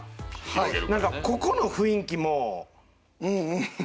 なんかここの雰囲気も同じで。